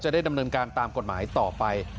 ได้ดำเนินการตามกฎหมายต่อไป